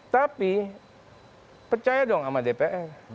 tapi percaya dong sama dpr